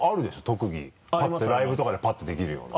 特技ライブとかでパッてできるような。